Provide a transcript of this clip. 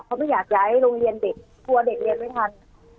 เขาไม่อยากย้ายโรงเรียนเด็กกลัวเด็กเรียนไม่ทัน